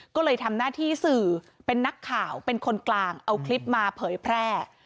ก็เลยทำหน้าที่สื่อเป็นนักข่าวเป็นคนกลางเอาคลิปมาเผยแพร่